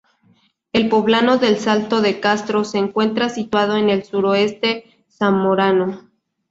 El poblado del Salto de Castro se encuentra situado en el suroeste zamorano.